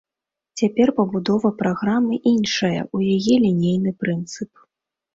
Цяпер пабудова праграмы іншая, у яе лінейны прынцып.